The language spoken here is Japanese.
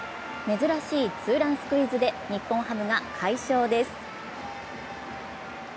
珍しいツーランスクイズで日本ハムが快勝です。